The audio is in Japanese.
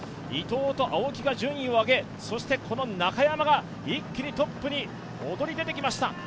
伊藤と青木が順位を上げ、そしてこの中山が一気にトップに躍り出てきました。